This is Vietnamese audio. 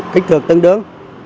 kích thước tương đương